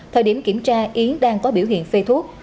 thời điểm kiểm tra yến đang có biểu hiện phê thuốc